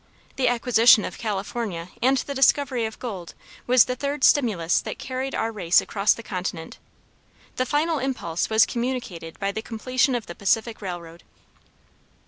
The acquisition of California and the discovery of gold was the third stimulus that carried our race across the continent. The final impulse was communicated by the completion of the Pacific railroad.